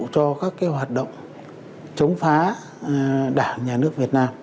cho các hoạt động chống phá đảng việt nam